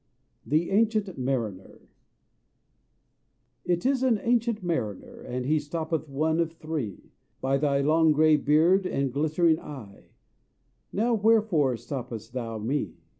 THE ANCIENT MARINER It is an ancient Mariner, And he stoppeth one of three. "By thy long gray beard and glittering eye, Now wherefore stopp'st thou me?